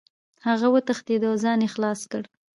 هغه وتښتېد او ځان یې خلاص کړ.